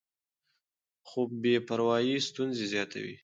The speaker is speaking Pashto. خو بې پروايي ستونزې زیاتوي.